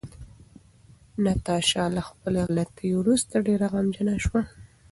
ناتاشا له خپلې غلطۍ وروسته ډېره غمجنه شوه.